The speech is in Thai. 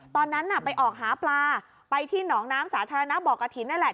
ตอนนั้นน่ะไปออกหาปลาไปที่หนองน้ำสาธารณะบ่อกระถิ่นนั่นแหละ